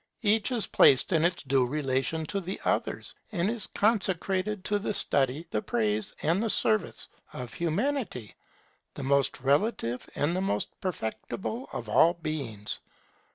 Each is placed in its due relation to the others, and is consecrated to the study, the praise, and the service of Humanity, the most relative and the most perfectible of all beings.